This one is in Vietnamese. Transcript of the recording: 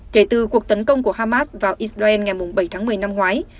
kể từ cuộc tấn công của hamas vào israel ngày bảy tháng một mươi năm ngoái